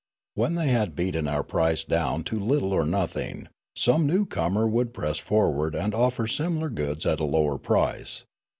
When the} had beaten our price down to little or nothing, some newcomer would press forward and offer similar goods at a lower price.